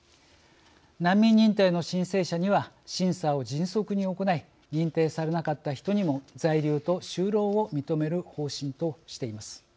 難民認定の申請者には審査を迅速に行い認定されなかった人にも在留と就労を認める方針としています。